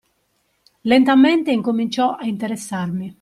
Lentamente incominciò a interessarmi.